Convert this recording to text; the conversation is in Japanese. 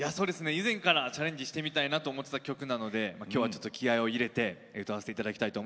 以前からチャレンジしてみたいなと思ってた曲なので今日は気合いを入れて歌わせて頂きたいと思います。